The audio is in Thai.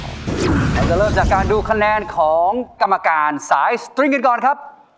เราจะเริ่มจากการดูคะแนนของกรรมการสายสตริงกันก่อนครับ